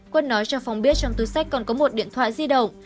quân nói cho phong biết trong túi sách còn có một điện thoại di động